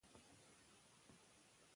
دا رومان د انسانانو د ازادۍ غږ دی.